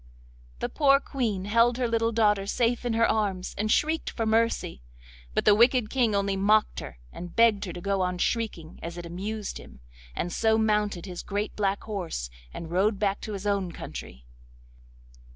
The poor Queen held her little daughter safe in her arms and shrieked for mercy, but the wicked King only mocked her, and begged her to go on shrieking, as it amused him, and so mounted his great black horse, and rode back to his own country.